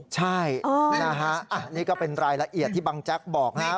ใช่นี่ก็เป็นรายละเอียดที่บังแจ็คบอกนะ